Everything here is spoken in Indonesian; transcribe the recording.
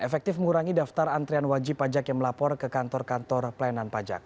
efektif mengurangi daftar antrian wajib pajak yang melapor ke kantor kantor pelayanan pajak